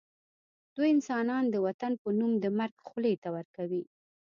دوی انسانان د وطن په نوم د مرګ خولې ته ورکوي